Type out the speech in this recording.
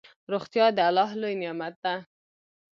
روغتيا دالله لوي نعمت ده